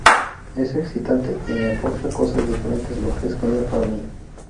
Es excitante, y me aporta cosas diferentes, lo que es genial para mí.